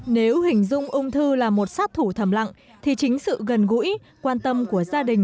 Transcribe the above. nếu hình dung ung thư là một sát thủ thầm lặng thì chính sự gần gũi quan tâm của gia đình